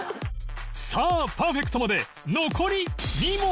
さあパーフェクトまで残り２問